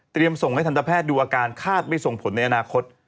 เตรียมส่งให้ทันทะแพทย์ดูอาการฆาตไปส่งผลในอนาคต